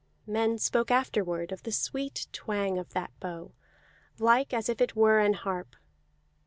Men spoke afterward of the sweet twang of that bow, like as if it were an harp.